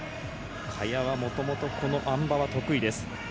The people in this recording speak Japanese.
萱はもともと、このあん馬は得意です。